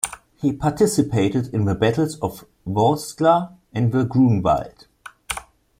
He participated in the Battles of Vorskla and the Grunwald.